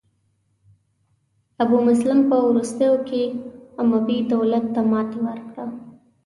ابو مسلم په وروستیو کې اموي دولت ته ماتې ورکړه.